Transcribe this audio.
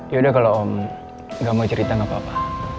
yaudah kalau om gak mau cerita gak apa apa